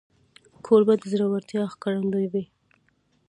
کوربه د زړورتیا ښکارندوی وي.